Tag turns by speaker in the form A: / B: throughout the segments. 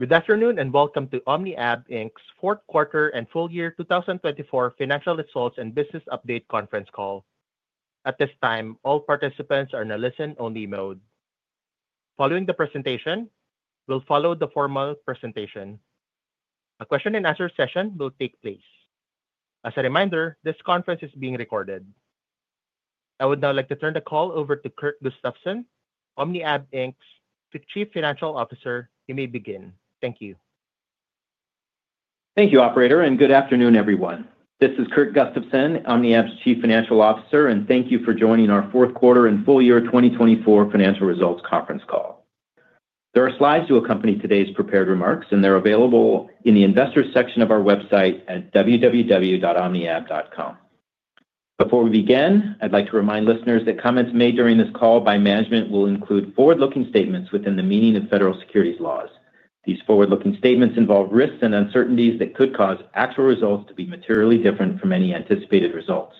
A: Good afternoon and welcome to OmniAb's Fourth Quarter and Full Year 2024 Financial Results and Business Update Conference Call. At this time, all participants are in a listen-only mode. Following the presentation, we'll follow the formal presentation. A question-and-answer session will take place. As a reminder, this conference is being recorded. I would now like to turn the call over to Kurt Gustafson, OmniAb's Chief Financial Officer. You may begin. Thank you.
B: Thank you, Operator, and good afternoon, everyone. This is Kurt Gustafson, OmniAb's Chief Financial Officer, and thank you for joining our fourth quarter and full year 2024 financial results conference call. There are slides to accompany today's prepared remarks, and they're available in the Investors section of our website at www.omniab.com. Before we begin, I'd like to remind listeners that comments made during this call by management will include forward-looking statements within the meaning of federal securities laws. These forward-looking statements involve risks and uncertainties that could cause actual results to be materially different from any anticipated results.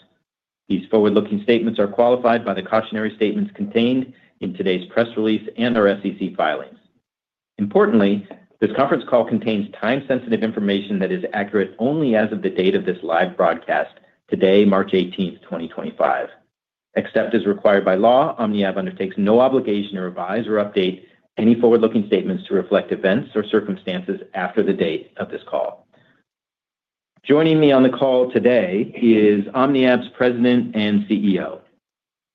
B: These forward-looking statements are qualified by the cautionary statements contained in today's press release and our SEC filings. Importantly, this conference call contains time-sensitive information that is accurate only as of the date of this live broadcast today, March 18th, 2025. Except as required by law, OmniAb undertakes no obligation to revise or update any forward-looking statements to reflect events or circumstances after the date of this call. Joining me on the call today is OmniAb's President and CEO.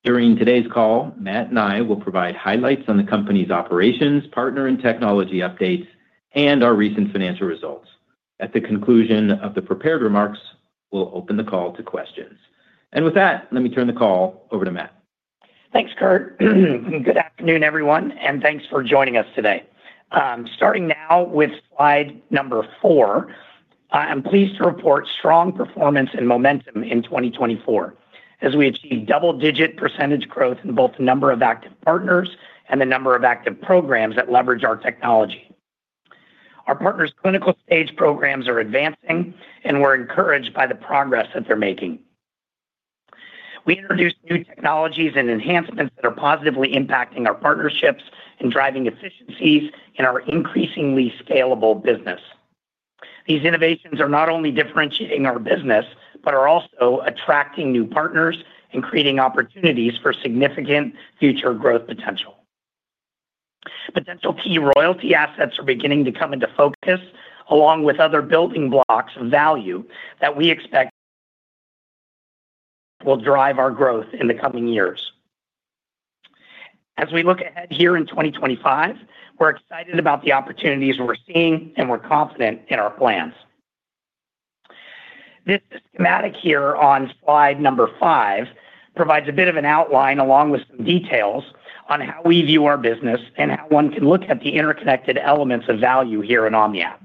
B: During today's call, Matt and I will provide highlights on the company's operations, partner and technology updates, and our recent financial results. At the conclusion of the prepared remarks, we will open the call to questions. Let me turn the call over to Matt.
C: Thanks, Kurt. Good afternoon, everyone, and thanks for joining us today. Starting now with slide number four, I'm pleased to report strong performance and momentum in 2024 as we achieve double-digit % growth in both the number of active partners and the number of active programs that leverage our technology. Our partners' clinical stage programs are advancing, and we're encouraged by the progress that they're making. We introduced new technologies and enhancements that are positively impacting our partnerships and driving efficiencies in our increasingly scalable business. These innovations are not only differentiating our business but are also attracting new partners and creating opportunities for significant future growth potential. Potential key royalty assets are beginning to come into focus, along with other building blocks of value that we expect will drive our growth in the coming years. As we look ahead here in 2025, we're excited about the opportunities we're seeing, and we're confident in our plans. This schematic here on slide number five provides a bit of an outline along with some details on how we view our business and how one can look at the interconnected elements of value here in OmniAb.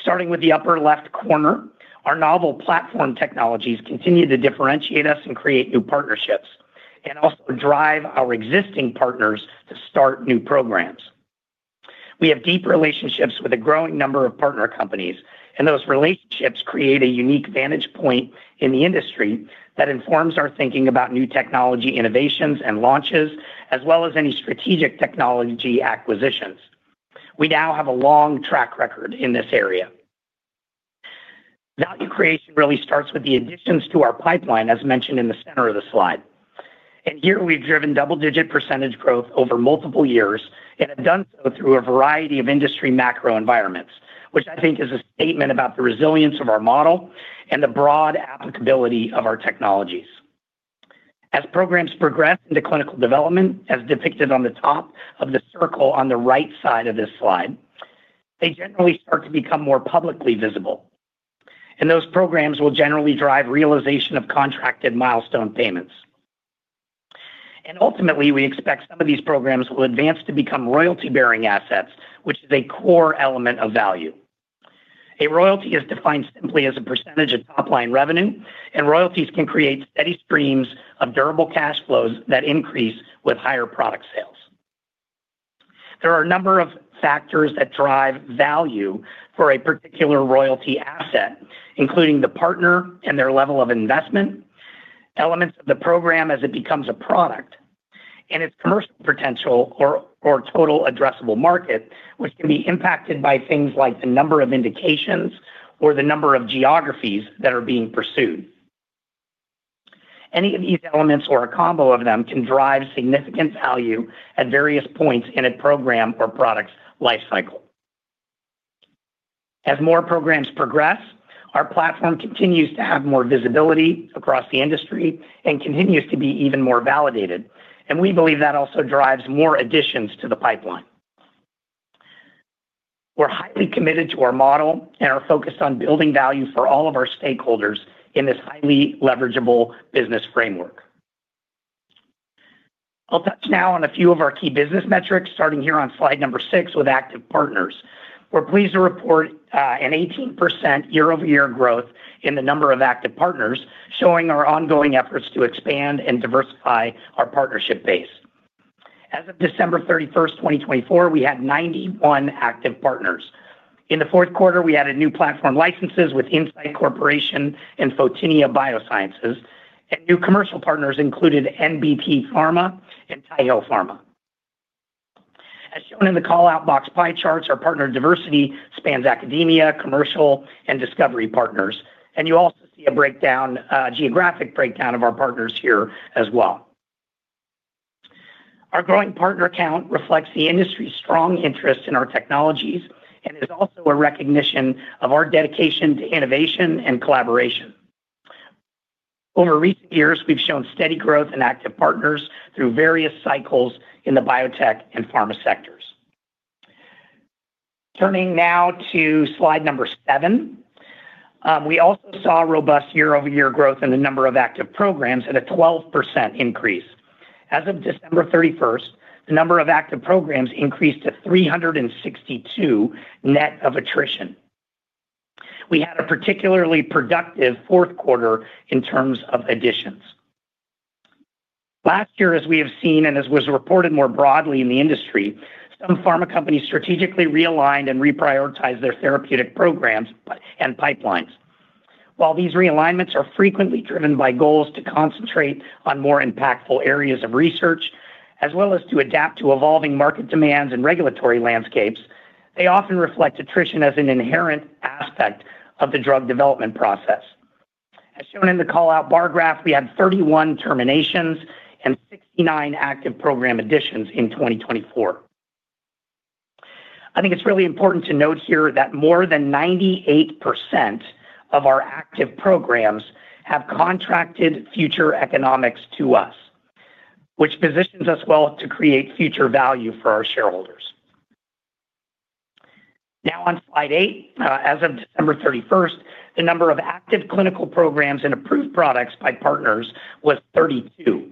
C: Starting with the upper left corner, our novel platform technologies continue to differentiate us and create new partnerships and also drive our existing partners to start new programs. We have deep relationships with a growing number of partner companies, and those relationships create a unique vantage point in the industry that informs our thinking about new technology innovations and launches, as well as any strategic technology acquisitions. We now have a long track record in this area. Value creation really starts with the additions to our pipeline, as mentioned in the center of the slide. Here, we've driven double-digit percentage growth over multiple years and have done so through a variety of industry macro environments, which I think is a statement about the resilience of our model and the broad applicability of our technologies. As programs progress into clinical development, as depicted on the top of the circle on the right side of this slide, they generally start to become more publicly visible. Those programs will generally drive realization of contracted milestone payments. Ultimately, we expect some of these programs will advance to become royalty-bearing assets, which is a core element of value. A royalty is defined simply as a percentage of top-line revenue, and royalties can create steady streams of durable cash flows that increase with higher product sales. There are a number of factors that drive value for a particular royalty asset, including the partner and their level of investment, elements of the program as it becomes a product, and its commercial potential or total addressable market, which can be impacted by things like the number of indications or the number of geographies that are being pursued. Any of these elements or a combo of them can drive significant value at various points in a program or product's lifecycle. As more programs progress, our platform continues to have more visibility across the industry and continues to be even more validated, and we believe that also drives more additions to the pipeline. We're highly committed to our model and are focused on building value for all of our stakeholders in this highly leverageable business framework. I'll touch now on a few of our key business metrics starting here on slide number six with active partners. We're pleased to report an 18% year-over-year growth in the number of active partners, showing our ongoing efforts to expand and diversify our partnership base. As of December 31st, 2024, we had 91 active partners. In the fourth quarter, we added new platform licenses with Incyte Corporation and Fotinia Biosciences, and new commercial partners included NBP Pharma and Taiho Pharma. As shown in the call-out box pie charts, our partner diversity spans academia, commercial, and discovery partners. You also see a geographic breakdown of our partners here as well. Our growing partner count reflects the industry's strong interest in our technologies and is also a recognition of our dedication to innovation and collaboration. Over recent years, we've shown steady growth in active partners through various cycles in the biotech and pharma sectors. Turning now to slide number seven, we also saw robust year-over-year growth in the number of active programs at a 12% increase. As of December 31st, the number of active programs increased to 362 net of attrition. We had a particularly productive fourth quarter in terms of additions. Last year, as we have seen and as was reported more broadly in the industry, some pharma companies strategically realigned and reprioritized their therapeutic programs and pipelines. While these realignments are frequently driven by goals to concentrate on more impactful areas of research as well as to adapt to evolving market demands and regulatory landscapes, they often reflect attrition as an inherent aspect of the drug development process. As shown in the call-out bar graph, we had 31 terminations and 69 active program additions in 2024. I think it's really important to note here that more than 98% of our active programs have contracted future economics to us, which positions us well to create future value for our shareholders. Now, on slide eight, as of December 31st, the number of active clinical programs and approved products by partners was 32.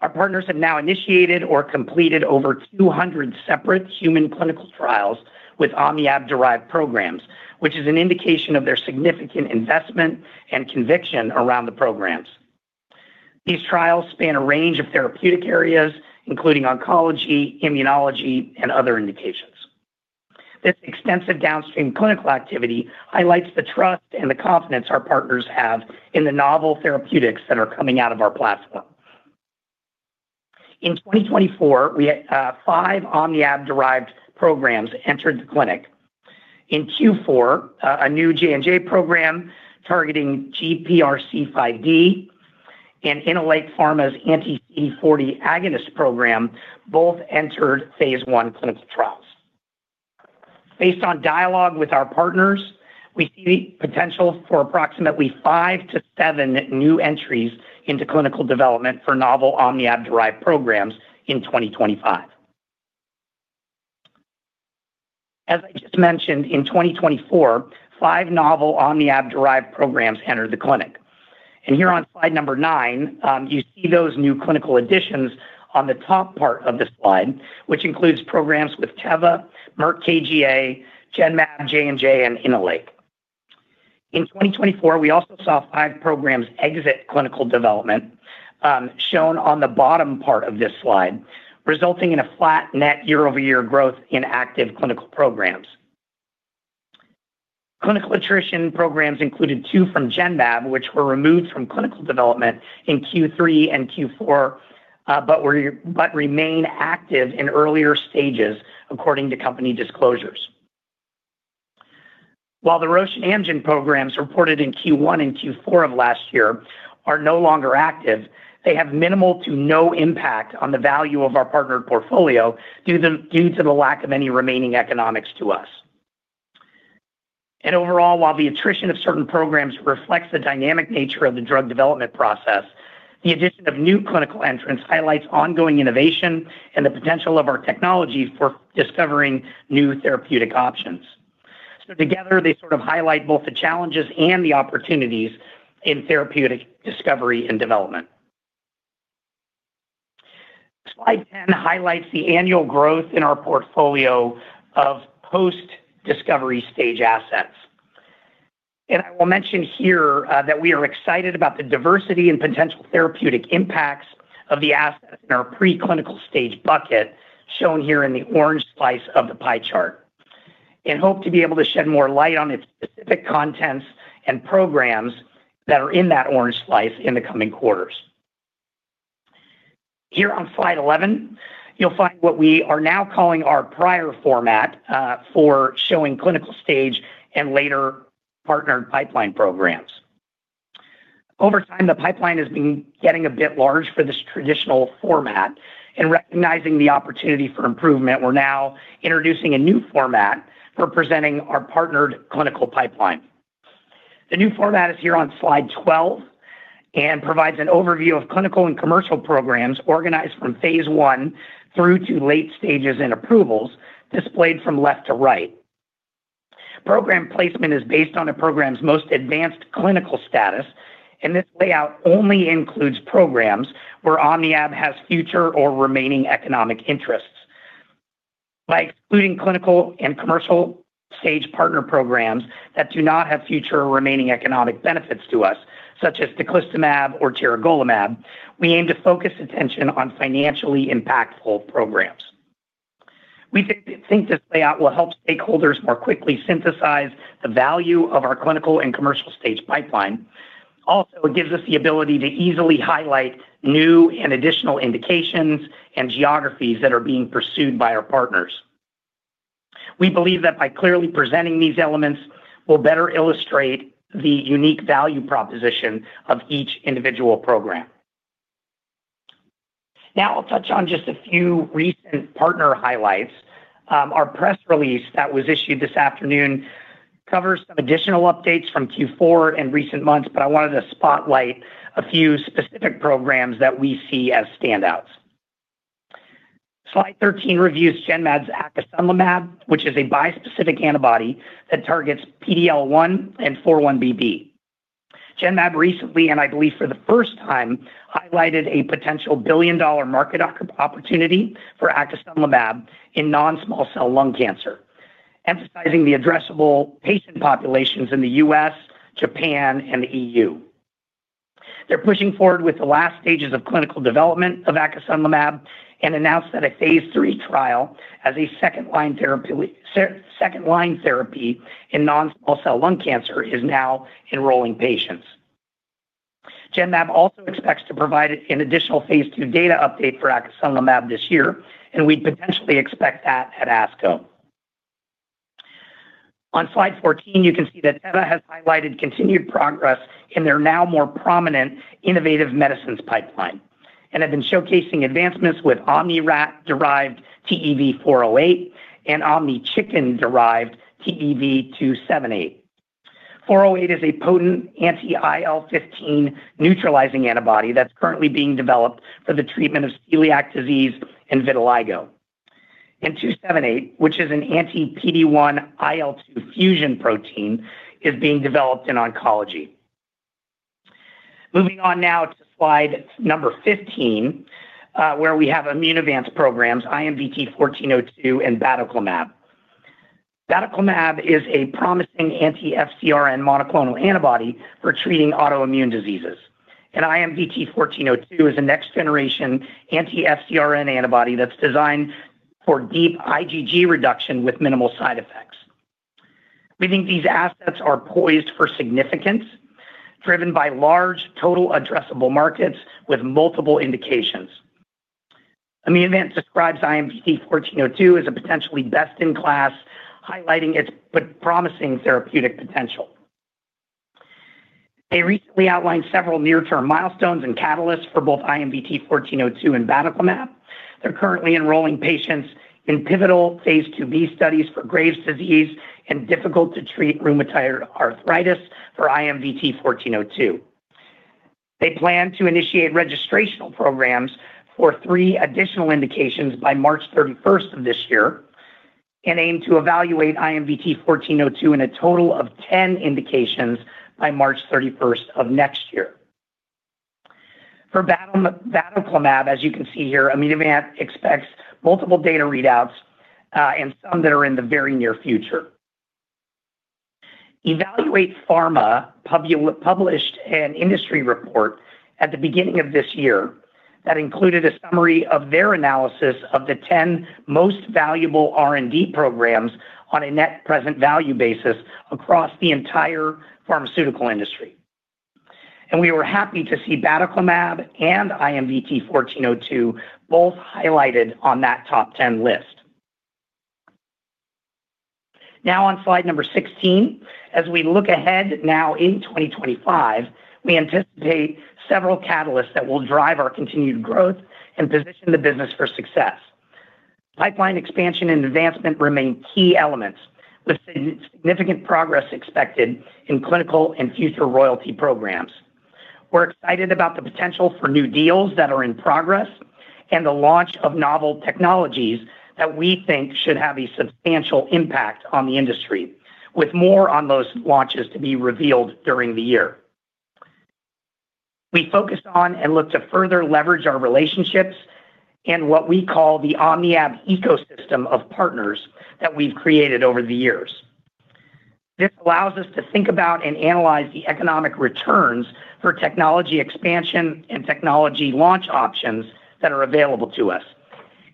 C: Our partners have now initiated or completed over 200 separate human clinical trials with OmniAb-derived programs, which is an indication of their significant investment and conviction around the programs. These trials span a range of therapeutic areas, including oncology, immunology, and other indications. This extensive downstream clinical activity highlights the trust and the confidence our partners have in the novel therapeutics that are coming out of our platform. In 2024, five OmniAb-derived programs entered the clinic. In Q4, a new J&J program targeting GPRC5D and InnoLake Pharma's anti-CD40 agonist program both entered phase I clinical trials. Based on dialogue with our partners, we see the potential for approximately five to seven new entries into clinical development for novel OmniAb-derived programs in 2025. As I just mentioned, in 2024, five novel OmniAb-derived programs entered the clinic. Here on slide number nine, you see those new clinical additions on the top part of the slide, which includes programs with Teva, Merck KGaA, Genmab, J&J, and Innolake. In 2024, we also saw five programs exit clinical development, shown on the bottom part of this slide, resulting in a flat net year-over-year growth in active clinical programs. Clinical attrition programs included two from Genmab, which were removed from clinical development in Q3 and Q4 but remain active in earlier stages, according to company disclosures. While the Roche and Amgen programs reported in Q1 and Q4 of last year are no longer active, they have minimal to no impact on the value of our partner portfolio due to the lack of any remaining economics to us. Overall, while the attrition of certain programs reflects the dynamic nature of the drug development process, the addition of new clinical entrants highlights ongoing innovation and the potential of our technology for discovering new therapeutic options. Together, they sort of highlight both the challenges and the opportunities in therapeutic discovery and development. Slide 10 highlights the annual growth in our portfolio of post-discovery stage assets. I will mention here that we are excited about the diversity and potential therapeutic impacts of the assets in our preclinical stage bucket, shown here in the orange slice of the pie chart, and hope to be able to shed more light on its specific contents and programs that are in that orange slice in the coming quarters. Here on slide 11, you'll find what we are now calling our prior format for showing clinical stage and later partnered pipeline programs. Over time, the pipeline has been getting a bit large for this traditional format. Recognizing the opportunity for improvement, we're now introducing a new format for presenting our partnered clinical pipeline. The new format is here on slide 12 and provides an overview of clinical and commercial programs organized from phase I through to late stages and approvals displayed from left to right. Program placement is based on a program's most advanced clinical status, and this layout only includes programs where OmniAb has future or remaining economic interests. By excluding clinical and commercial stage partner programs that do not have future or remaining economic benefits to us, such as Teclistamab or Terigolimab, we aim to focus attention on financially impactful programs. We think this layout will help stakeholders more quickly synthesize the value of our clinical and commercial stage pipeline. Also, it gives us the ability to easily highlight new and additional indications and geographies that are being pursued by our partners. We believe that by clearly presenting these elements, we'll better illustrate the unique value proposition of each individual program. Now, I'll touch on just a few recent partner highlights. Our press release that was issued this afternoon covers some additional updates from Q4 and recent months, but I wanted to spotlight a few specific programs that we see as standouts. Slide 13 reviews Genmab's Acasunlimab, which is a bispecific antibody that targets PD-L1 and 4-1BB. Genmab recently, and I believe for the first time, highlighted a potential billion-dollar market opportunity for Acasunlimab in non-small cell lung cancer, emphasizing the addressable patient populations in the US, Japan, and the EU. They're pushing forward with the last stages of clinical development of Acasunlimab and announced that a phase III trial as a second-line therapy in non-small cell lung cancer is now enrolling patients. Genmab also expects to provide an additional phase II data update for Acasunlimab this year, and we potentially expect that at ASCO. On slide 14, you can see that Teva has highlighted continued progress in their now more prominent innovative medicines pipeline and have been showcasing advancements with OmniRat-derived TEV-48574 and OmniChicken-derived TEV-278. TEV-48574 is a potent anti-IL-15 neutralizing antibody that's currently being developed for the treatment of celiac disease and vitiligo. TEV-278, which is an anti-PD-1 IL-2 fusion protein, is being developed in oncology. Moving on now to slide number 15, where we have Immunovant's programs, IMVT-1402, and batoclimab. Batoclimab is a promising anti-FcRn monoclonal antibody for treating autoimmune diseases. IMVT-1402 is a next-generation anti-FcRn antibody that's designed for deep IgG reduction with minimal side effects. We think these assets are poised for significance, driven by large total addressable markets with multiple indications. Immunovant describes IMVT-1402 as potentially best-in-class, highlighting its promising therapeutic potential. They recently outlined several near-term milestones and catalysts for both IMVT-1402 and batoclimab. They're currently enrolling patients in pivotal phase II B studies for Graves' disease and difficult-to-treat rheumatoid arthritis for IMVT-1402. They plan to initiate registrational programs for three additional indications by March 31st of this year and aim to evaluate IMVT-1402 in a total of 10 indications by March 31st of next year. For Batoclimab, as you can see here, Immunovant expects multiple data readouts and some that are in the very near future. EvaluatePharma published an industry report at the beginning of this year that included a summary of their analysis of the 10 most valuable R&D programs on a net present value basis across the entire pharmaceutical industry. We were happy to see Batoclimab and IMVT-1402 both highlighted on that top 10 list. Now, on slide number 16, as we look ahead now in 2025, we anticipate several catalysts that will drive our continued growth and position the business for success. Pipeline expansion and advancement remain key elements, with significant progress expected in clinical and future royalty programs. We're excited about the potential for new deals that are in progress and the launch of novel technologies that we think should have a substantial impact on the industry, with more on those launches to be revealed during the year. We focused on and look to further leverage our relationships and what we call the OmniAb ecosystem of partners that we've created over the years. This allows us to think about and analyze the economic returns for technology expansion and technology launch options that are available to us.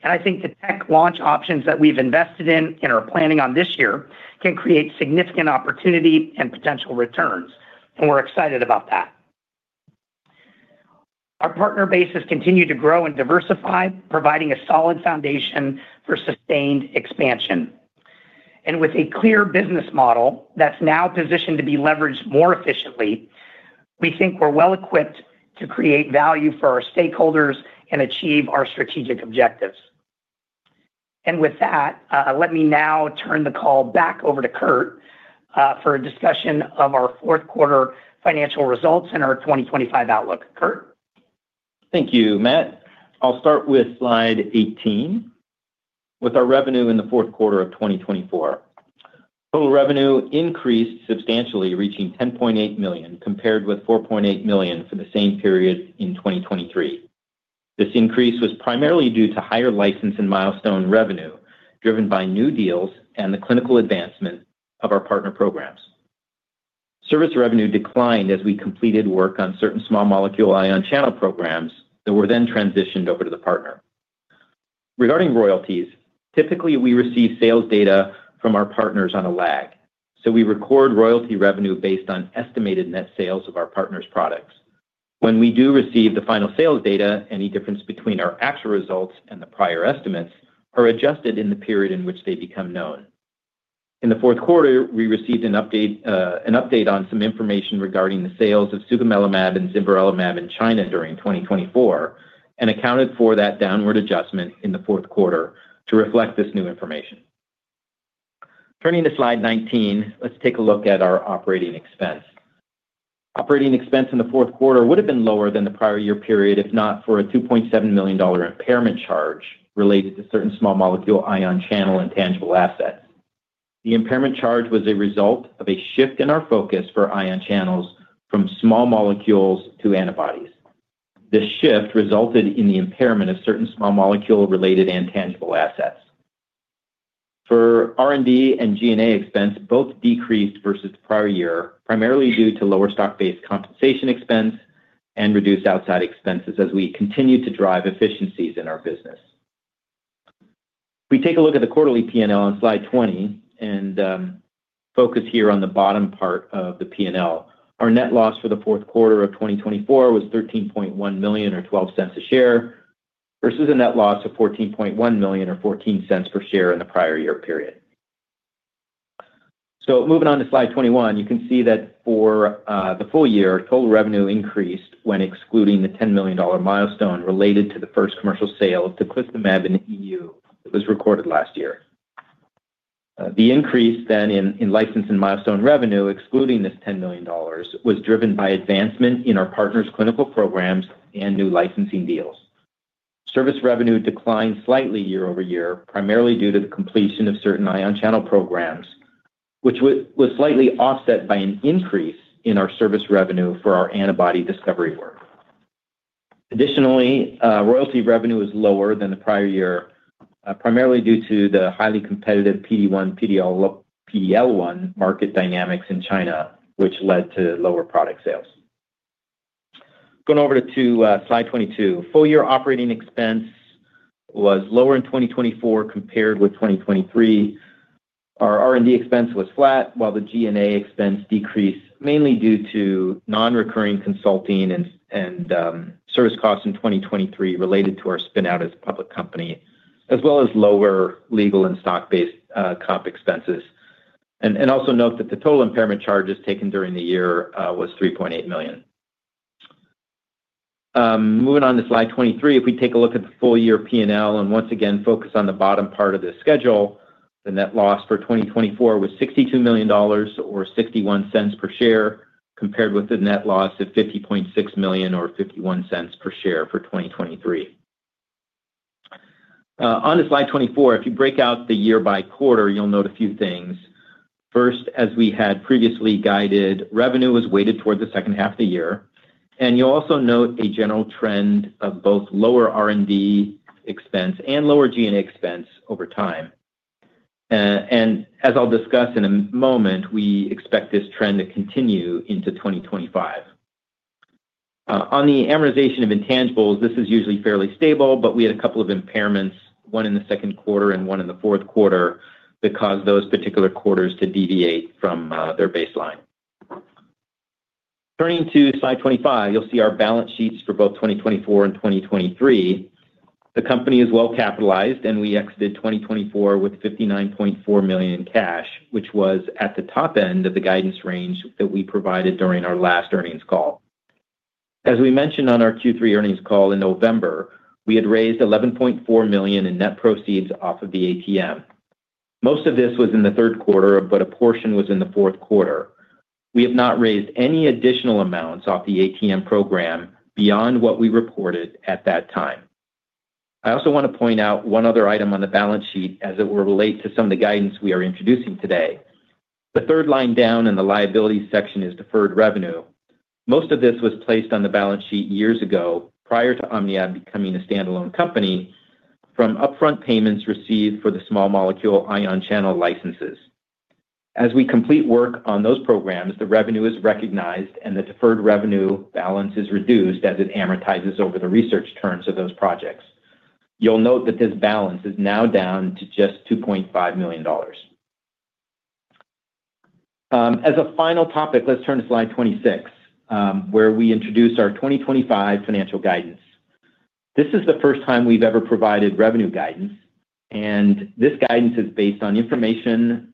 C: I think the tech launch options that we've invested in and are planning on this year can create significant opportunity and potential returns, and we're excited about that. Our partner base has continued to grow and diversify, providing a solid foundation for sustained expansion. With a clear business model that's now positioned to be leveraged more efficiently, we think we're well equipped to create value for our stakeholders and achieve our strategic objectives. With that, let me now turn the call back over to Kurt for a discussion of our fourth quarter financial results and our 2025 outlook. Kurt?
B: Thank you, Matt. I'll start with slide 18, with our revenue in the fourth quarter of 2024. Total revenue increased substantially, reaching $10.8 million compared with $4.8 million for the same period in 2023. This increase was primarily due to higher license and milestone revenue driven by new deals and the clinical advancement of our partner programs. Service revenue declined as we completed work on certain small molecule ion channel programs that were then transitioned over to the partner. Regarding royalties, typically we receive sales data from our partners on a lag. We record royalty revenue based on estimated net sales of our partner's products. When we do receive the final sales data, any difference between our actual results and the prior estimates are adjusted in the period in which they become known. In the fourth quarter, we received an update on some information regarding the sales of Sutimlimab and Zanidatamab in China during 2024 and accounted for that downward adjustment in the fourth quarter to reflect this new information. Turning to slide 19, let's take a look at our operating expense. Operating expense in the fourth quarter would have been lower than the prior year period if not for a $2.7 million impairment charge related to certain small molecule ion channel intangible assets. The impairment charge was a result of a shift in our focus for ion channels from small molecules to antibodies. This shift resulted in the impairment of certain small molecule-related intangible assets. For R&D and G&A expense, both decreased versus the prior year, primarily due to lower stock-based compensation expense and reduced outside expenses as we continue to drive efficiencies in our business. We take a look at the quarterly P&L on slide 20 and focus here on the bottom part of the P&L. Our net loss for the fourth quarter of 2024 was $13.1 million or $0.12 a share versus a net loss of $14.1 million or $0.14 per share in the prior year period. Moving on to slide 21, you can see that for the full year, total revenue increased when excluding the $10 million milestone related to the first commercial sale of Teclistamab in the EU that was recorded last year. The increase then in license and milestone revenue, excluding this $10 million, was driven by advancement in our partner's clinical programs and new licensing deals. Service revenue declined slightly year over year, primarily due to the completion of certain ion channel programs, which was slightly offset by an increase in our service revenue for our antibody discovery work. Additionally, royalty revenue was lower than the prior year, primarily due to the highly competitive PD-L1 market dynamics in China, which led to lower product sales. Going over to slide 22, full year operating expense was lower in 2024 compared with 2023. Our R&D expense was flat, while the G&A expense decreased mainly due to non-recurring consulting and service costs in 2023 related to our spin-out as a public company, as well as lower legal and stock-based comp expenses. Also note that the total impairment charges taken during the year was $3.8 million. Moving on to slide 23, if we take a look at the full year P&L and once again focus on the bottom part of the schedule, the net loss for 2024 was $62 million or $0.61 per share compared with the net loss of $50.6 million or $0.51 per share for 2023. On to slide 24, if you break out the year by quarter, you'll note a few things. First, as we had previously guided, revenue was weighted toward the second half of the year. You will also note a general trend of both lower R&D expense and lower G&A expense over time. As I'll discuss in a moment, we expect this trend to continue into 2025. On the amortization of intangibles, this is usually fairly stable, but we had a couple of impairments, one in the second quarter and one in the fourth quarter, because those particular quarters did deviate from their baseline. Turning to slide 25, you will see our balance sheets for both 2024 and 2023. The company is well capitalized, and we exited 2024 with $59.4 million in cash, which was at the top end of the guidance range that we provided during our last earnings call. As we mentioned on our Q3 earnings call in November, we had raised $11.4 million in net proceeds off of the ATM. Most of this was in the third quarter, but a portion was in the fourth quarter. We have not raised any additional amounts off the ATM program beyond what we reported at that time. I also want to point out one other item on the balance sheet as it will relate to some of the guidance we are introducing today. The third line down in the liability section is deferred revenue. Most of this was placed on the balance sheet years ago prior to OmniAb becoming a standalone company from upfront payments received for the small molecule ion channel licenses. As we complete work on those programs, the revenue is recognized, and the deferred revenue balance is reduced as it amortizes over the research terms of those projects. You'll note that this balance is now down to just $2.5 million. As a final topic, let's turn to slide 26, where we introduce our 2025 financial guidance. This is the first time we've ever provided revenue guidance, and this guidance is based on information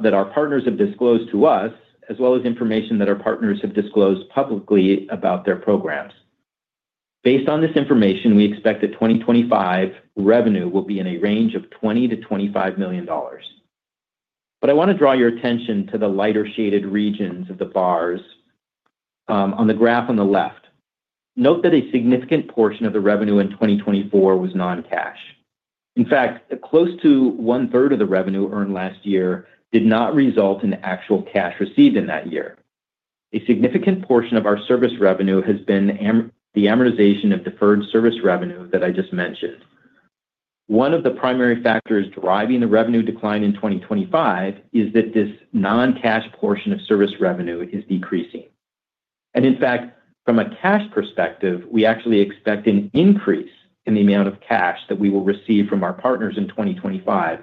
B: that our partners have disclosed to us, as well as information that our partners have disclosed publicly about their programs. Based on this information, we expect that 2025 revenue will be in a range of $20-$25 million. I want to draw your attention to the lighter shaded regions of the bars on the graph on the left. Note that a significant portion of the revenue in 2024 was non-cash. In fact, close to one-third of the revenue earned last year did not result in actual cash received in that year. A significant portion of our service revenue has been the amortization of deferred service revenue that I just mentioned. One of the primary factors driving the revenue decline in 2025 is that this non-cash portion of service revenue is decreasing. In fact, from a cash perspective, we actually expect an increase in the amount of cash that we will receive from our partners in 2025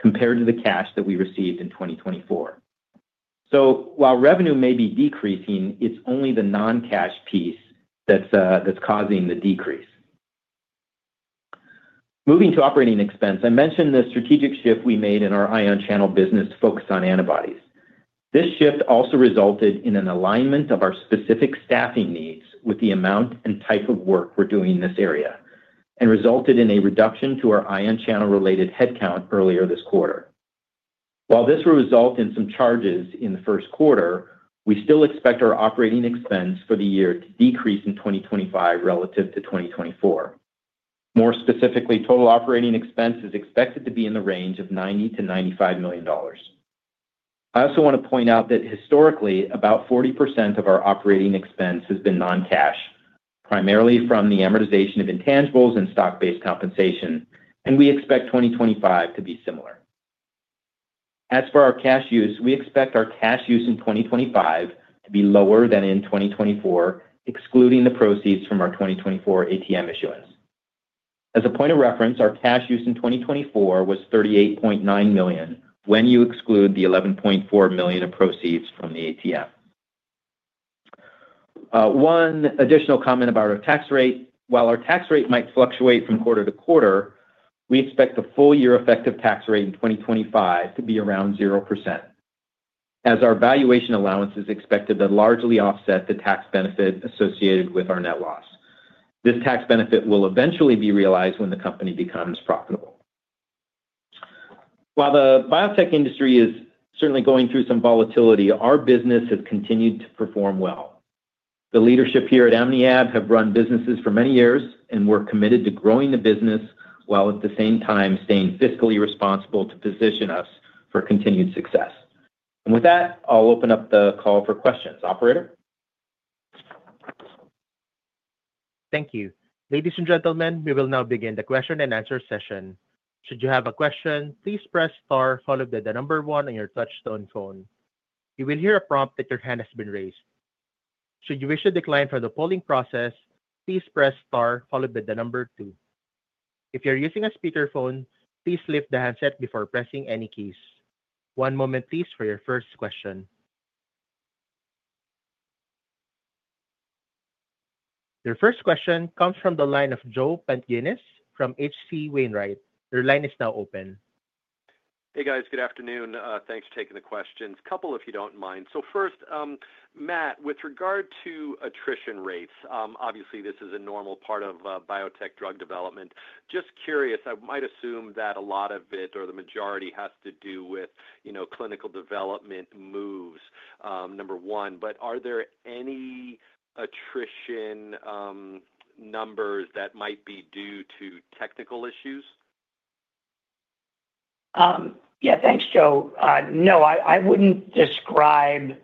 B: compared to the cash that we received in 2024. While revenue may be decreasing, it's only the non-cash piece that's causing the decrease. Moving to operating expense, I mentioned the strategic shift we made in our ion channel business to focus on antibodies. This shift also resulted in an alignment of our specific staffing needs with the amount and type of work we're doing in this area and resulted in a reduction to our ion channel-related headcount earlier this quarter. While this will result in some charges in the first quarter, we still expect our operating expense for the year to decrease in 2025 relative to 2024. More specifically, total operating expense is expected to be in the range of $90-$95 million. I also want to point out that historically, about 40% of our operating expense has been non-cash, primarily from the amortization of intangibles and stock-based compensation, and we expect 2025 to be similar. As for our cash use, we expect our cash use in 2025 to be lower than in 2024, excluding the proceeds from our 2024 ATM issuance. As a point of reference, our cash use in 2024 was $38.9 million when you exclude the $11.4 million of proceeds from the ATM. One additional comment about our tax rate. While our tax rate might fluctuate from quarter to quarter, we expect the full year effective tax rate in 2025 to be around 0%, as our valuation allowances are expected to largely offset the tax benefit associated with our net loss. This tax benefit will eventually be realized when the company becomes profitable. While the biotech industry is certainly going through some volatility, our business has continued to perform well. The leadership here at OmniAb have run businesses for many years and we are committed to growing the business while at the same time staying fiscally responsible to position us for continued success. With that, I'll open up the call for questions. Operator?
A: Thank you. Ladies and gentlemen, we will now begin the question and answer session. Should you have a question, please press star followed by the number one on your touchstone phone. You will hear a prompt that your hand has been raised. Should you wish to decline from the polling process, please press star followed by the number two. If you're using a speakerphone, please lift the handset before pressing any keys. One moment, please, for your first question. Your first question comes from the line of Joe Pantginis from HC Wainwright. Your line is now open.
D: Hey, guys. Good afternoon. Thanks for taking the questions. Couple if you don't mind. First, Matt, with regard to attrition rates, obviously this is a normal part of biotech drug development. Just curious, I might assume that a lot of it or the majority has to do with clinical development moves, number one. Are there any attrition numbers that might be due to technical issues?
C: Yeah, thanks, Joe. No, I wouldn't describe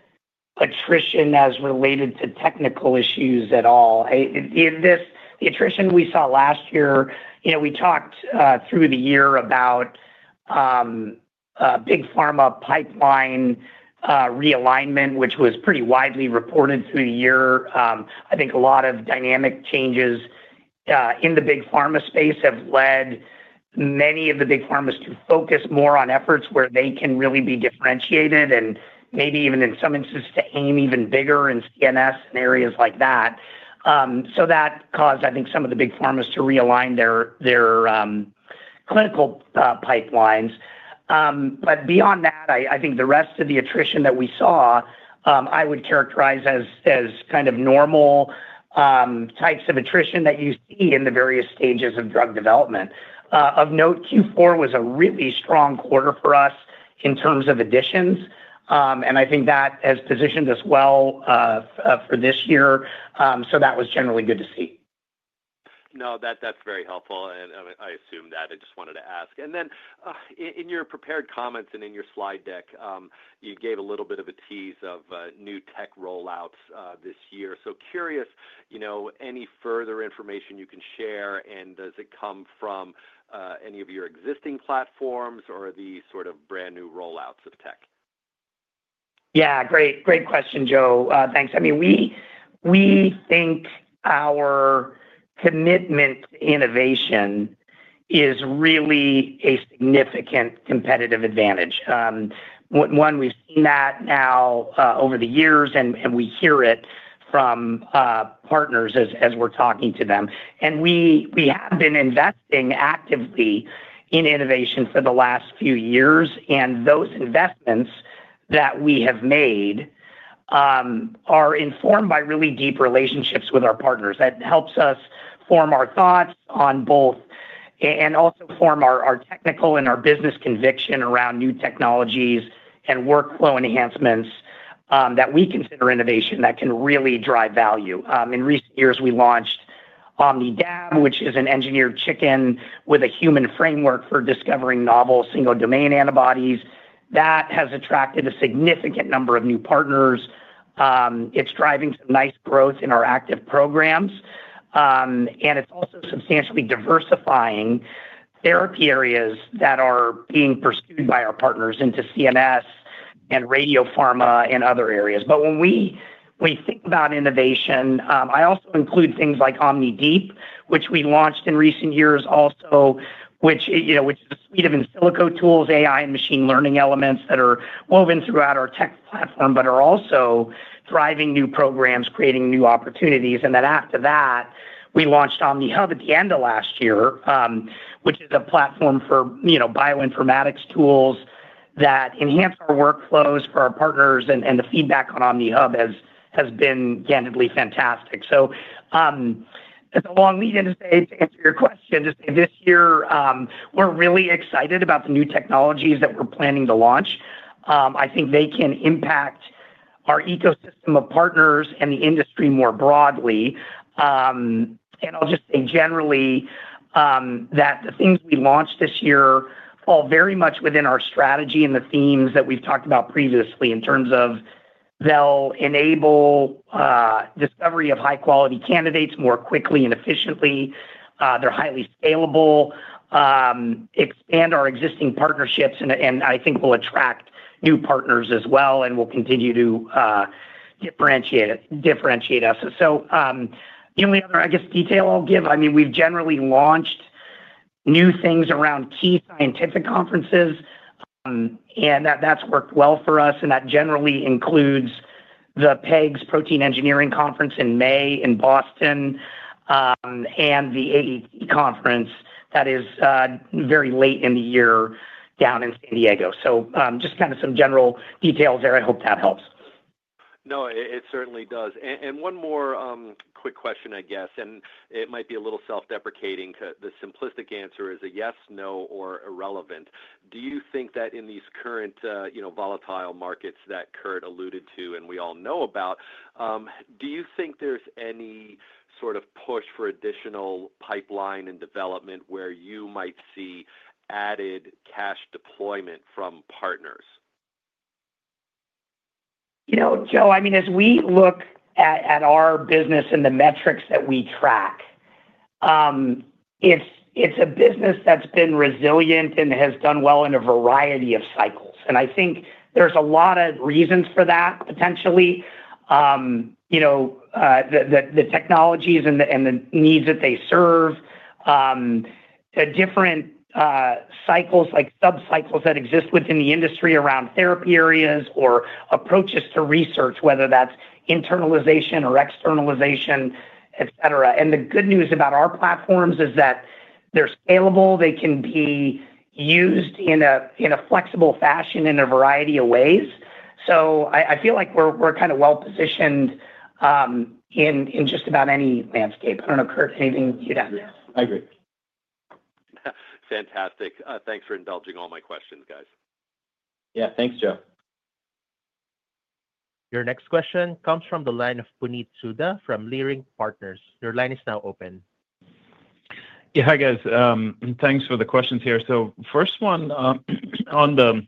C: attrition as related to technical issues at all. The attrition we saw last year, we talked through the year about big pharma pipeline realignment, which was pretty widely reported through the year. I think a lot of dynamic changes in the big pharma space have led many of the big pharmas to focus more on efforts where they can really be differentiated and maybe even in some instances to aim even bigger in CNS and areas like that. That caused, I think, some of the big pharmas to realign their clinical pipelines. Beyond that, I think the rest of the attrition that we saw I would characterize as kind of normal types of attrition that you see in the various stages of drug development. Of note, Q4 was a really strong quarter for us in terms of additions, and I think that has positioned us well for this year. That was generally good to see.
D: No, that's very helpful. I assume that. I just wanted to ask. In your prepared comments and in your slide deck, you gave a little bit of a tease of new tech rollouts this year. Curious, any further information you can share, and does it come from any of your existing platforms or the sort of brand new rollouts of tech?
C: Yeah, great question, Joe. Thanks. I mean, we think our commitment to innovation is really a significant competitive advantage. One, we've seen that now over the years, and we hear it from partners as we're talking to them. We have been investing actively in innovation for the last few years, and those investments that we have made are informed by really deep relationships with our partners. That helps us form our thoughts on both and also form our technical and our business conviction around new technologies and workflow enhancements that we consider innovation that can really drive value. In recent years, we launched OmnidAb, which is an engineered chicken with a human framework for discovering novel single-domain antibodies. That has attracted a significant number of new partners. It's driving some nice growth in our active programs, and it's also substantially diversifying therapy areas that are being pursued by our partners into CNS and radiopharma and other areas. When we think about innovation, I also include things like OmniDeep, which we launched in recent years also, which is a suite of in silico tools, AI, and machine learning elements that are woven throughout our tech platform, but are also driving new programs, creating new opportunities. After that, we launched OmniHub at the end of last year, which is a platform for bioinformatics tools that enhance our workflows for our partners, and the feedback on OmniHub has been candidly fantastic. It is a long lead-in to answer your question, to say this year, we're really excited about the new technologies that we're planning to launch. I think they can impact our ecosystem of partners and the industry more broadly. I'll just say generally that the things we launched this year fall very much within our strategy and the themes that we've talked about previously in terms of they'll enable discovery of high-quality candidates more quickly and efficiently. They're highly scalable, expand our existing partnerships, and I think will attract new partners as well, and will continue to differentiate us. The only other, I guess, detail I'll give, I mean, we've generally launched new things around key scientific conferences, and that's worked well for us. That generally includes the PEGS Protein Engineering Conference in May in Boston and the Antibody Engineering & Therapeutics (AET) that is very late in the year down in San Diego. Just kind of some general details there. I hope that helps.
D: No, it certainly does. One more quick question, I guess, and it might be a little self-deprecating, but the simplistic answer is a yes, no, or irrelevant. Do you think that in these current volatile markets that Kurt alluded to and we all know about, do you think there's any sort of push for additional pipeline and development where you might see added cash deployment from partners?
C: Joe, I mean, as we look at our business and the metrics that we track, it's a business that's been resilient and has done well in a variety of cycles. I think there's a lot of reasons for that, potentially, the technologies and the needs that they serve, different cycles, like sub-cycles that exist within the industry around therapy areas or approaches to research, whether that's internalization or externalization, etc. The good news about our platforms is that they're scalable. They can be used in a flexible fashion in a variety of ways. I feel like we're kind of well-positioned in just about any landscape. I don't know, Kurt, anything you'd add?
B: I agree. Fantastic. Thanks for indulging all my questions, guys.
A: Yeah, thanks, Joe. Your next question comes from the line of Puneet Souda from Leerink Partners. Your line is now open.
E: Yeah, guys, thanks for the questions here. First one on the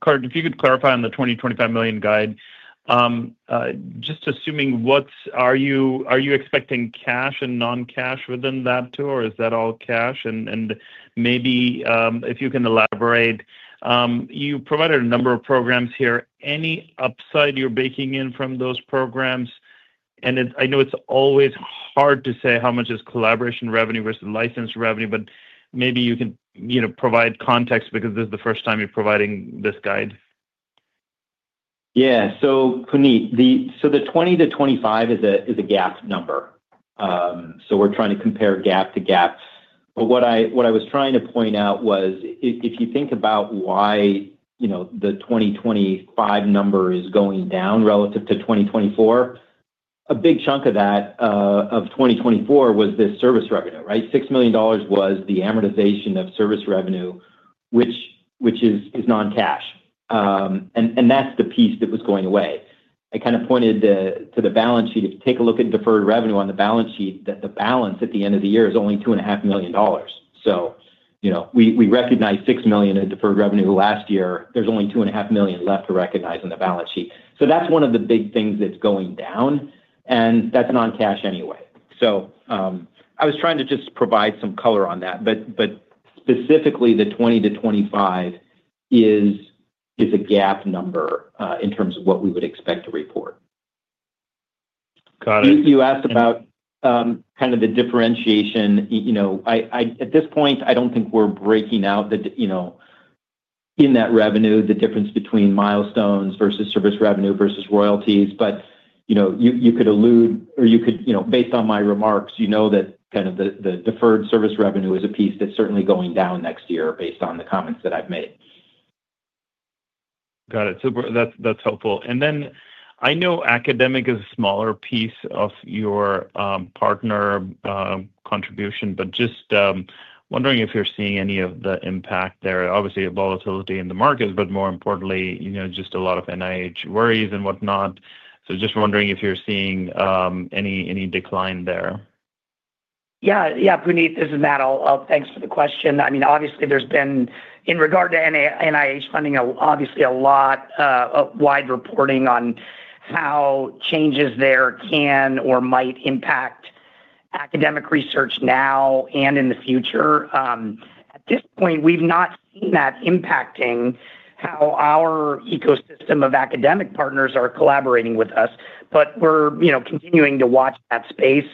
E: Kurt, if you could clarify on the $20-$25 million guide, just assuming, are you expecting cash and non-cash within that too, or is that all cash? Maybe if you can elaborate, you provided a number of programs here. Any upside you're baking in from those programs? I know it's always hard to say how much is collaboration revenue versus licensed revenue, but maybe you can provide context because this is the first time you're providing this guide.
B: Yeah. Puneet, the $20-$25 is a GAAP number. We're trying to compare GAAP to GAAP. What I was trying to point out was if you think about why the $20-$25 number is going down relative to $20-$24, a big chunk of that $20-$24 was this service revenue, right? $6 million was the amortization of service revenue, which is non-cash. That is the piece that was going away. I kind of pointed to the balance sheet. If you take a look at deferred revenue on the balance sheet, the balance at the end of the year is only $2.5 million. We recognized $6 million in deferred revenue last year. There is only $2.5 million left to recognize on the balance sheet. That is one of the big things that is going down, and that is non-cash anyway. I was trying to just provide some color on that. But specifically, the $20-$25 is a gap number in terms of what we would expect to report.
E: Got it.
B: You asked about kind of the differentiation. At this point, I do not think we are breaking out in that revenue, the difference between milestones versus service revenue versus royalties. But you could allude or you could, based on my remarks, you know that kind of the deferred service revenue is a piece that is certainly going down next year based on the comments that I have made.
E: Got it. That is helpful. I know academic is a smaller piece of your partner contribution, but just wondering if you are seeing any of the impact there. Obviously, volatility in the markets, but more importantly, just a lot of NIH worries and whatnot. Just wondering if you are seeing any decline there.
C: Yeah. Yeah, Puneet, this is Matt. Thanks for the question. I mean, obviously, there's been, in regard to NIH funding, obviously a lot of wide reporting on how changes there can or might impact academic research now and in the future. At this point, we've not seen that impacting how our ecosystem of academic partners are collaborating with us, but we're continuing to watch that space.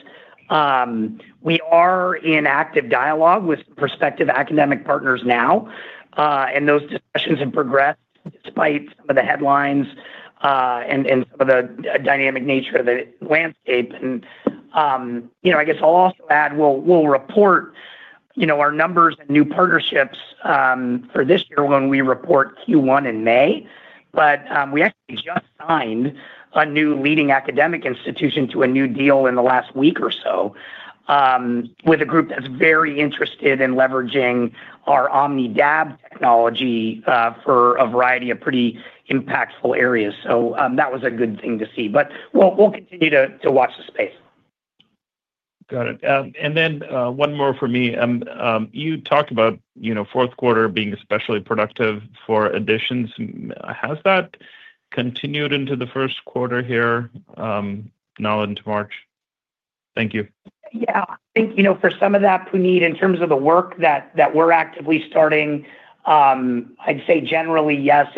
C: We are in active dialogue with prospective academic partners now, and those discussions have progressed despite some of the headlines and some of the dynamic nature of the landscape. I guess I'll also add, we'll report our numbers and new partnerships for this year when we report Q1 in May. We actually just signed a new leading academic institution to a new deal in the last week or so with a group that's very interested in leveraging our OmnidAb technology for a variety of pretty impactful areas. That was a good thing to see. We'll continue to watch the space.
E: Got it. One more for me. You talked about fourth quarter being especially productive for additions. Has that continued into the first quarter here, now into March? Thank you.
C: Yeah. I think for some of that, Puneet, in terms of the work that we're actively starting, I'd say generally, yes.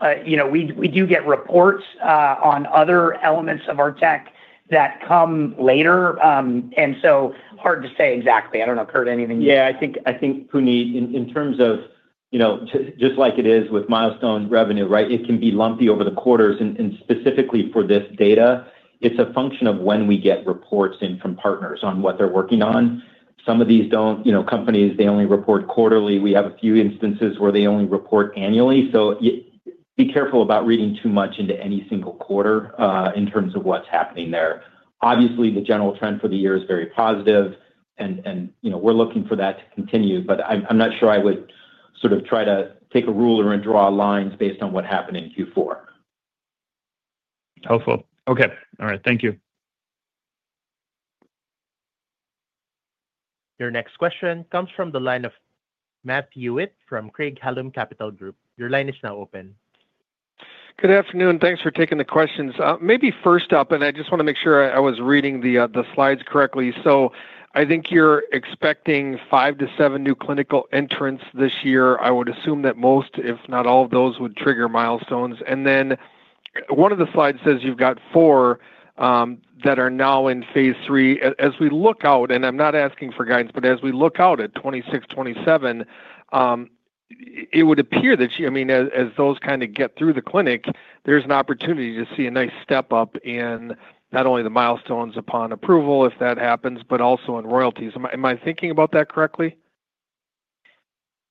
C: We do get reports on other elements of our tech that come later. Hard to say exactly. I don't know, Kurt, anything you'd add?
B: Yeah, I think, Puneet, in terms of just like it is with milestone revenue, right, it can be lumpy over the quarters. Specifically for this data, it's a function of when we get reports in from partners on what they're working on. Some of these companies only report quarterly. We have a few instances where they only report annually. So be careful about reading too much into any single quarter in terms of what's happening there. Obviously, the general trend for the year is very positive, and we're looking for that to continue. But I'm not sure I would sort of try to take a ruler and draw lines based on what happened in Q4.
E: Helpful. Okay. All right. Thank you.
A: Your next question comes from the line of Matt Hewitt from Craig-Hallum Capital Group. Your line is now open.
F: Good afternoon. Thanks for taking the questions. Maybe first up, and I just want to make sure I was reading the slides correctly. So I think you're expecting five to seven new clinical entrants this year. I would assume that most, if not all of those, would trigger milestones. One of the slides says you've got four that are now in phase III. As we look out, and I'm not asking for guidance, but as we look out at 2026, 2027, it would appear that, I mean, as those kind of get through the clinic, there's an opportunity to see a nice step up in not only the milestones upon approval, if that happens, but also in royalties. Am I thinking about that correctly?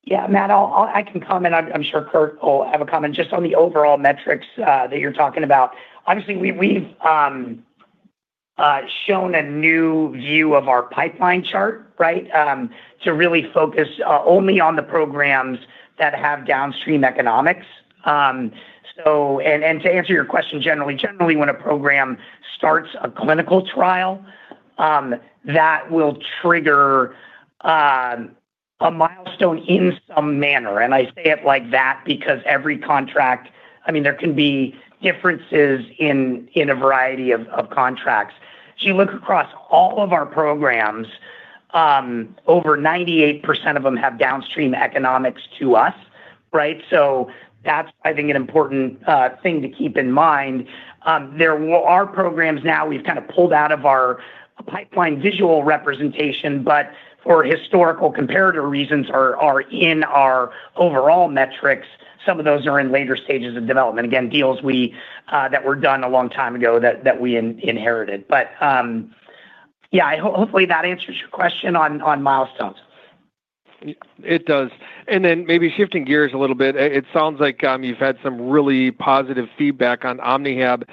C: Yeah. Matt, I can comment. I'm sure Kurt will have a comment just on the overall metrics that you're talking about. Obviously, we've shown a new view of our pipeline chart, right, to really focus only on the programs that have downstream economics. To answer your question generally, generally, when a program starts a clinical trial, that will trigger a milestone in some manner. I say it like that because every contract, I mean, there can be differences in a variety of contracts. If you look across all of our programs, over 98% of them have downstream economics to us, right? That is, I think, an important thing to keep in mind. There are programs now we have kind of pulled out of our pipeline visual representation, but for historical comparative reasons are in our overall metrics. Some of those are in later stages of development. Again, deals that were done a long time ago that we inherited. Hopefully, that answers your question on milestones.
F: It does. Maybe shifting gears a little bit, it sounds like you've had some really positive feedback on OmniAb.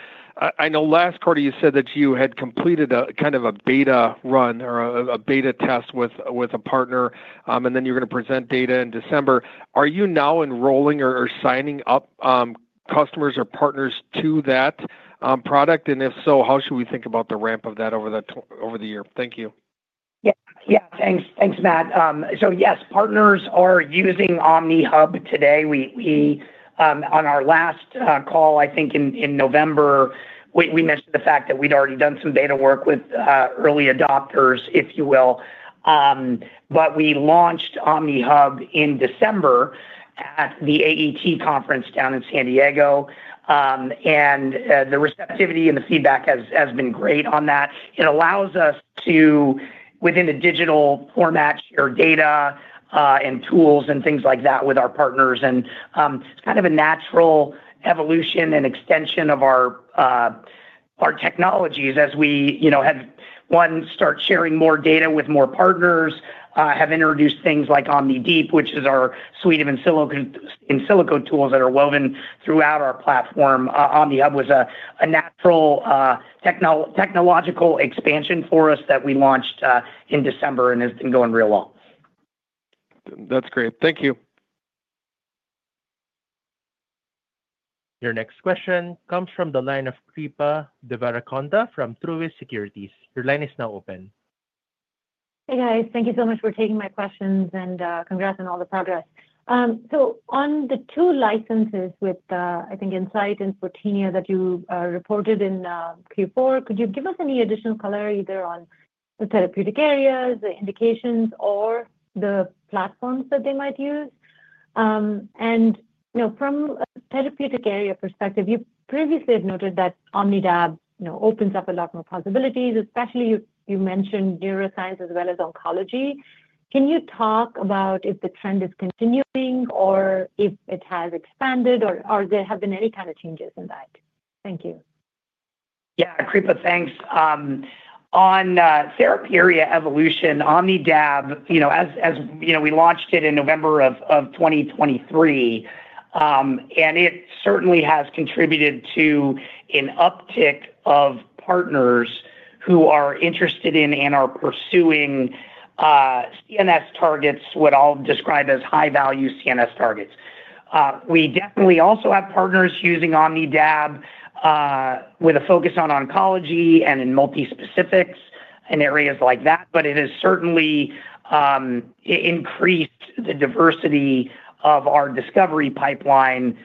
F: I know last, Kurt, you said that you had completed kind of a beta run or a beta test with a partner, and then you are going to present data in December. Are you now enrolling or signing up customers or partners to that product? And if so, how should we think about the ramp of that over the year? Thank you.
C: Yeah. Yeah. Thanks, Matt. So yes, partners are using OmniHub today. On our last call, I think in November, we mentioned the fact that we had already done some beta work with early adopters, if you will. We launched OmniHub in December at the AEE conference down in San Diego. The receptivity and the feedback has been great on that. It allows us to, within a digital format, share data and tools and things like that with our partners. It is kind of a natural evolution and extension of our technologies as we have, one, start sharing more data with more partners, have introduced things like OmniDeep, which is our suite of in silico tools that are woven throughout our platform. OmniHub was a natural technological expansion for us that we launched in December and has been going real well.
F: That's great. Thank you.
A: Your next question comes from the line of Kripa Devarakonda from Truist Securities. Your line is now open.
G: Hey, guys. Thank you so much for taking my questions and congrats on all the progress. On the two licenses with, I think, Insight and Fotinia that you reported in Q4, could you give us any additional color either on the therapeutic areas, the indications, or the platforms that they might use? From a therapeutic area perspective, you previously have noted that OmnidAb opens up a lot more possibilities, especially you mentioned neuroscience as well as oncology. Can you talk about if the trend is continuing or if it has expanded, or there have been any kind of changes in that? Thank you.
C: Yeah. Kripa, thanks. On therapeutic area evolution, OmnidAb, as we launched it in November of 2023, and it certainly has contributed to an uptick of partners who are interested in and are pursuing CNS targets, what I'll describe as high-value CNS targets. We definitely also have partners using OmnidAb with a focus on oncology and in multi-specifics and areas like that. It has certainly increased the diversity of our discovery pipeline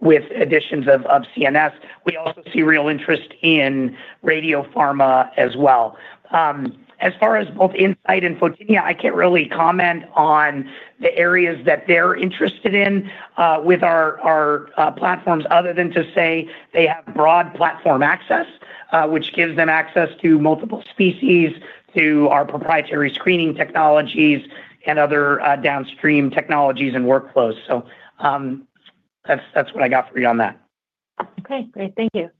C: with additions of CNS. We also see real interest in radiopharma as well. As far as both Insight and Fotinia, I can't really comment on the areas that they're interested in with our platforms other than to say they have broad platform access, which gives them access to multiple species, to our proprietary screening technologies, and other downstream technologies and workflows. That's what I got for you on that.
G: Okay. Great. Thank you.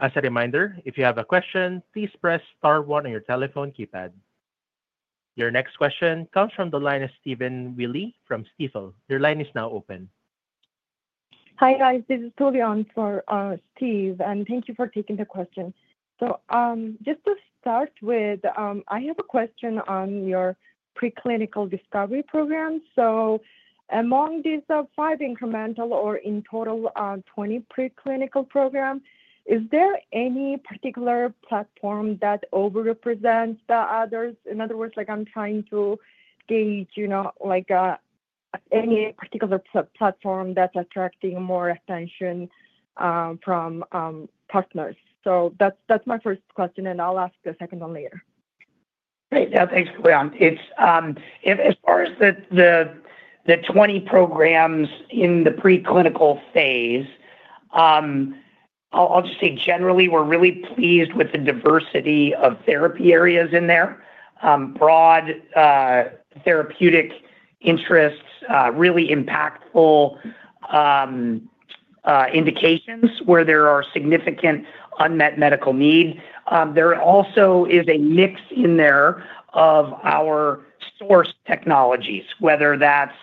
A: As a reminder, if you have a question, please press star one on your telephone keypad. Your next question comes from the line of Stephen Willey from Stifel. Your line is now open. Hi, guys. This is Julian for Steve, and thank you for taking the question. Just to start with, I have a question on your preclinical discovery program. Among these five incremental or in total 20 preclinical programs, is there any particular platform that overrepresents the others? In other words, I'm trying to gauge any particular platform that's attracting more attention from partners. That's my first question, and I'll ask the second one later.
C: Great. Yeah. Thanks, Tuliane. As far as the 20 programs in the preclinical phase, I'll just say generally, we're really pleased with the diversity of therapy areas in there. Broad therapeutic interests, really impactful indications where there are significant unmet medical needs. There also is a mix in there of our source technologies, whether that's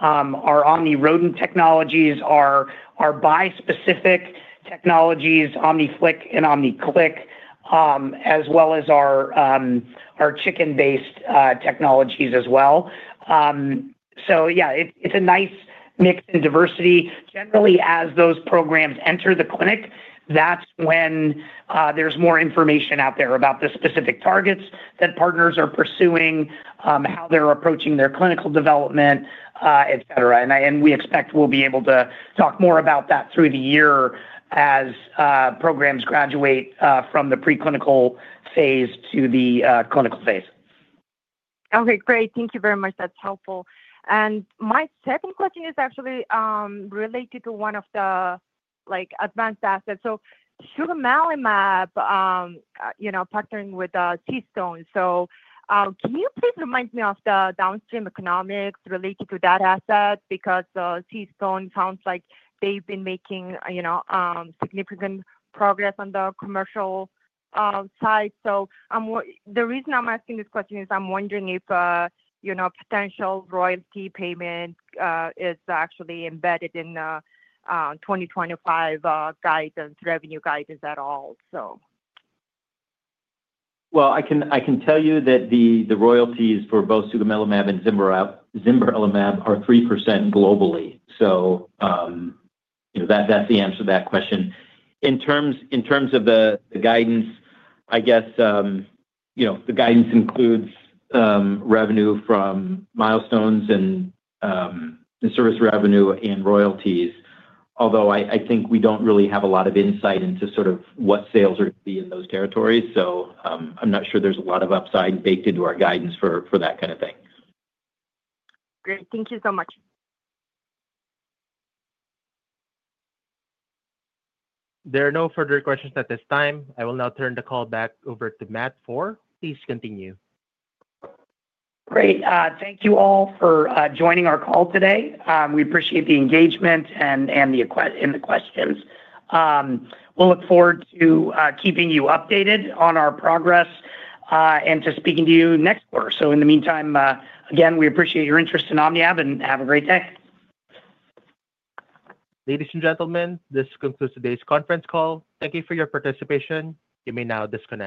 C: our OmniRodent technologies, our bispecific technologies, OmniFlic and OmniClic, as well as our chicken-based technologies as well. Yeah, it's a nice mix and diversity. Generally, as those programs enter the clinic, that's when there's more information out there about the specific targets that partners are pursuing, how they're approaching their clinical development, etc. We expect we'll be able to talk more about that through the year as programs graduate from the preclinical phase to the clinical phase. Okay. Great. Thank you very much. That's helpful. My second question is actually related to one of the advanced assets. Sugemalimab partnering with CStone Pharmaceuticals. Can you please remind me of the downstream economics related to that asset? Because CStone Pharmaceuticals sounds like they've been making significant progress on the commercial side. The reason I'm asking this question is I'm wondering if potential royalty payment is actually embedded in the 2025 revenue guidance at all.
B: I can tell you that the royalties for both Sugemalimab and Zimberelimab are 3% globally. That's the answer to that question. In terms of the guidance, I guess the guidance includes revenue from milestones and service revenue and royalties, although I think we do not really have a lot of insight into sort of what sales are going to be in those territories. I am not sure there is a lot of upside baked into our guidance for that kind of thing. Great. Thank you so much.
A: There are no further questions at this time. I will now turn the call back over to Matt Foehr. Please continue.
C: Great. Thank you all for joining our call today. We appreciate the engagement and the questions. We will look forward to keeping you updated on our progress and to speaking to you next quarter. In the meantime, again, we appreciate your interest in OmniAb, and have a great day.
A: Ladies and gentlemen, this concludes today's conference call. Thank you for your participation. You may now disconnect.